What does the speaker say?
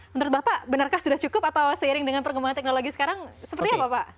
menurut bapak benarkah sudah cukup atau seiring dengan perkembangan teknologi sekarang seperti apa pak